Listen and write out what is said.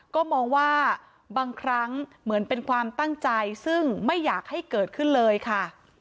ก็มองว่าบางครั้งเหมือนเป็นความตั้งใจซึ่งไม่อยากให้เกิดขึ้นเลยค่ะ